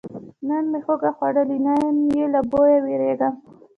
نه مې هوږه خوړلې، نه یې له بویه ویریږم.